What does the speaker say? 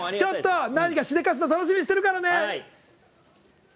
何かしでかすか楽しみにしてるからね！